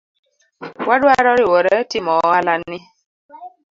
Wadwaro riwore timo oala ni